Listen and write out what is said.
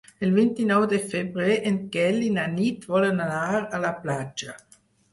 El vint-i-nou de febrer en Quel i na Nit volen anar a la platja.